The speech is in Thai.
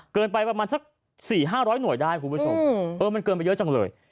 เกินไปประมาณสัก๔๕๐๐หน่วยได้คุณผู้ชมเออมันเกินไปเยอะจังเลย